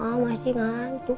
oh masih ngantuk